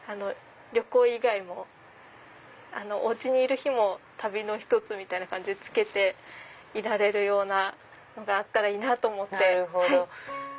旅行以外もお家にいる日も旅の一つみたいな感じで着けていられるようなのがあったらいいなと思って。